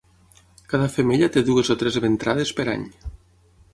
Cada femella té dues o tres ventrades per any.